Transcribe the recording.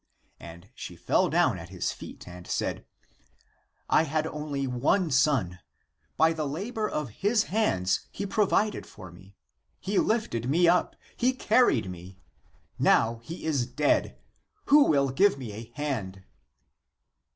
And she fell down at his feet and said, " I had only one son; by the labor of his hands he provided for me;^^ he lifted me up, he carried me. Now he is dead, who will give me a hand